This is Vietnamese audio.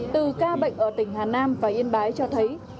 từ ca bệnh ở tỉnh hà nam và yên bái cho thấy